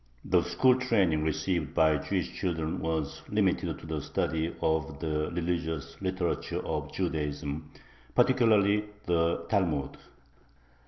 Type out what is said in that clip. The school training received by Jewish children was limited to the study of the religious literature of Judaism, particularly the Talmud.